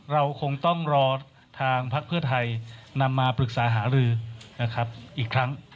เราคงต้องรอทางพักเพื่อไทยนำมาปรึกษาหารือนะครับอีกครั้ง